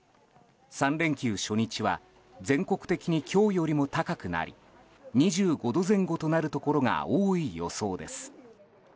３連休初日は全国的に今日よりも高くなり２５度前後となるところが多い予想です。